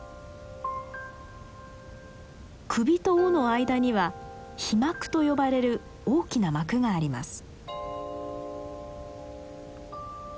首と尾の間には「飛膜」と呼ばれる大きな膜があります。